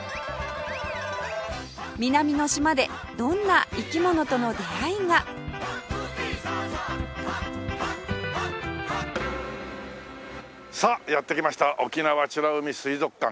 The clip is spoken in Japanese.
南の島でどんな生き物との出会いがさあやって来ました沖縄美ら海水族館。